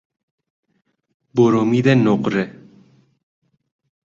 برمید نقره